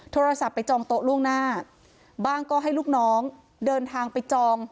โทรศัพท์ไปจองโต๊ะล่วงหน้าบ้างก็ให้ลูกน้องเดินทางไปจอง